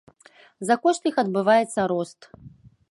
За кошт іх адбываецца рост.